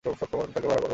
তাকে ভাড়া করো।